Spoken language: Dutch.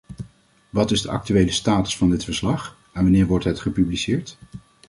Wat is de actuele status van dit verslag, en wanneer wordt het gepubliceerd?